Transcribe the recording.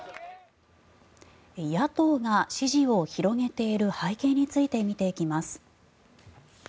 野党が支持を広げている背景について見ていきます。